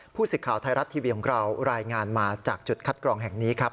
สิทธิ์ข่าวไทยรัฐทีวีของเรารายงานมาจากจุดคัดกรองแห่งนี้ครับ